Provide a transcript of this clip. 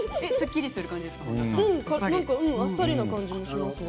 あっさりする感じもしますね。